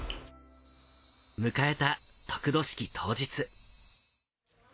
迎えた得度式当日。